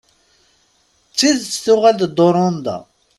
D tidet tuɣal-d Dorenda?